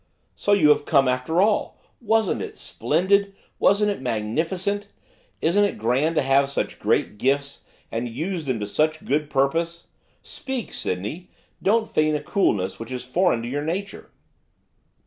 'So you have come, after all! Wasn't it splendid? wasn't it magnificent? Isn't it grand to have such great gifts, and to use them to such good purpose? Speak, Sydney! Don't feign a coolness which is foreign to your nature!